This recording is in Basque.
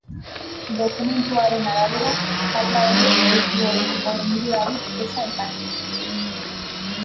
Dokumentuaren arabera, falta horrek ez du hornidurarik eza ekarriko.